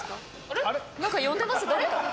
何か呼んでます誰か。